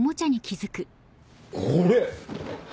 これ！